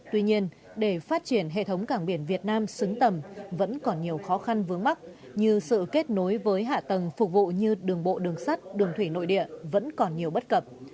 tuy nhiên để phát triển hệ thống cảng biển việt nam xứng tầm vẫn còn nhiều khó khăn vướng mắt như sự kết nối với hạ tầng phục vụ như đường bộ đường sắt đường thủy nội địa vẫn còn nhiều bất cập